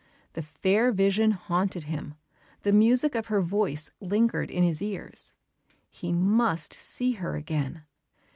The fair vision haunted him; the music of her voice lingered in his ears. He must see her again.